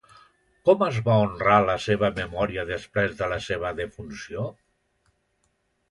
Com es va honrar la seva memòria després de la seva defunció?